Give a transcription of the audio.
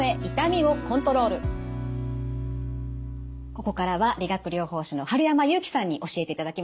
ここからは理学療法士の春山祐樹さんに教えていただきます。